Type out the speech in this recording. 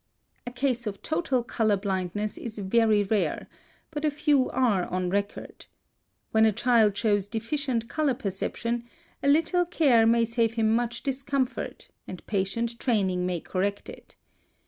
(183) A case of total color blindness is very rare, but a few are on record. When a child shows deficient color perception, a little care may save him much discomfort, and patient training may correct it.